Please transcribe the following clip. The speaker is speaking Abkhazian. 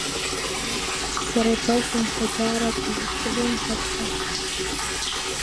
Сара ибасымҳәеи даара бизҿлымҳаз ҳәа!